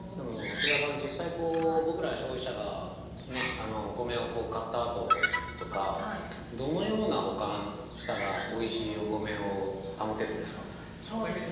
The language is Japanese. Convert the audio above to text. ◆秋沢さん、実際、僕ら消費者がお米を買ったあととかどのような保管をしたらおいしいお米を保てるんですか。